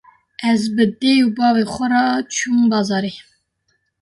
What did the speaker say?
Ez bi dê û bavê xwe re çûm bazarê.